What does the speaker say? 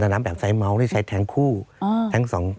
ตารำแบบไซด์เมาส์ที่ใช้แทงคู่แทง๒